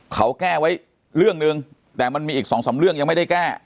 เขาแก้ไว้เรื่องนึงแต่มันมีอีกสองสามเรื่องยังไม่ได้แก้